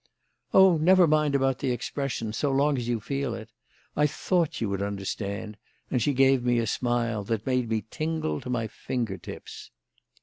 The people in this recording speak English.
"Oh, never mind about the expression, so long as you feel it. I thought you would understand," and she gave me a smile that made me tingle to my finger tips.